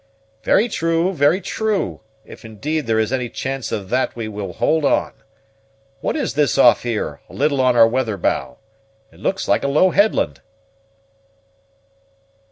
"Very true, very true; if, indeed, there is any chance of that we will hold on. What is this off here, a little on our weather bow? It looks like a low headland."